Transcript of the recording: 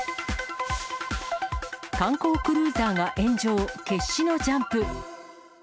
観光クルーザーが炎上、決死のジャンプ。